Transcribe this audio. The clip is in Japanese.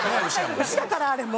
牛だからあれも。